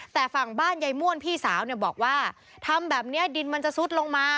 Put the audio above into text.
แต่ฝั่งบ้านยายม่วนพี่สาวเนี่ยบอกว่าทำแบบนี้ดินมันจะซุดลงมา